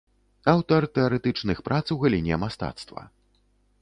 Аўтар тэарэтычных прац у галіне мастацтва.